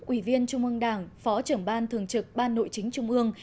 ủy viên trung ương đảng phó trưởng ban thường trực ban nội chính trung ương